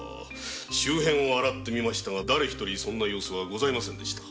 周辺を洗ってみましたが誰一人そんな様子はございませんでした。